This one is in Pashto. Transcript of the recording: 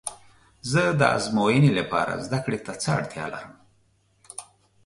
زه د ازموینې لپاره زده کړې ته څه اړتیا لرم؟